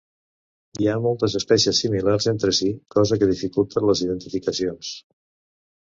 Hi ha moltes espècies similars entre si, cosa que dificulta les identificacions.